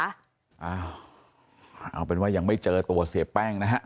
อ้าวเอาเป็นว่ายังไม่เจอตัวเสียแป้งนะฮะ